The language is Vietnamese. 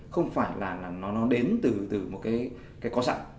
không phải là nó đến từ một cái có sẵn